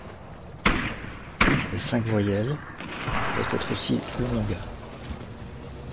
Les cinq voyelles peuvent être aussi longues.